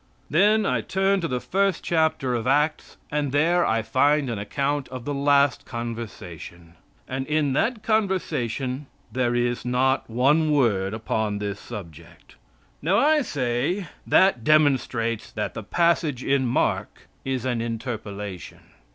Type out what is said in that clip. Then I turn to the first chapter of the Acts, and there I find an account of the last conversation; and in that conversation there is not one word upon this subject. Now, I say, that demonstrates that the passage in Mark is an interpolation.